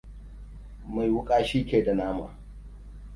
Mai wuƙa shi ke da nama.